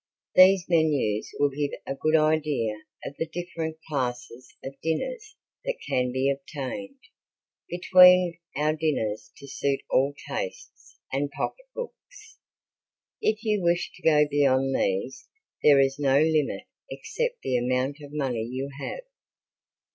These menus will give a good idea of the different classes of dinners that can be obtained. Between are dinners to suit all tastes and pocketbooks. If you wish to go beyond these there is no limit except the amount of money you have.